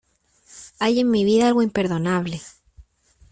hay en mi vida algo imperdonable.